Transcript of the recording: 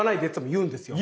言うんですよ。